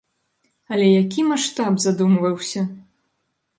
Але які маштаб задумваўся!